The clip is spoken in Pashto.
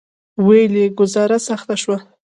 ویې ویل: ګوزاره سخته شوه.